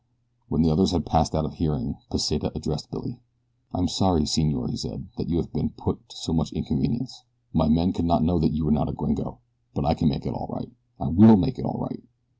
When the others had passed out of hearing Pesita addressed Billy. "I am sorry, senor," he said, "that you have been put to so much inconvenience. My men could not know that you were not a gringo; but I can make it all right. I will make it all right.